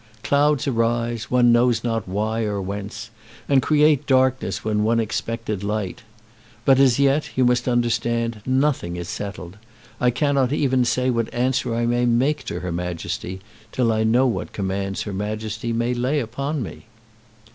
Clouds arise, one knows not why or whence, and create darkness when one expected light. But as yet, you must understand, nothing is settled. I cannot even say what answer I may make to her Majesty, till I know what commands her Majesty may lay upon me."